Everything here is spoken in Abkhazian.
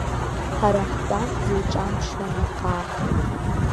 Ҳара ҳтәан ҳзеиҿамԥшуа наҟ-ааҟ.